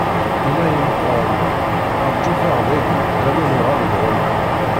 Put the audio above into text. Inna i imeqqranen: Rǧut-aɣ dagi alamma nuɣal-d ɣur-wen.